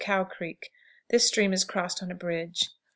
Cow Creek. This stream is crossed on a bridge.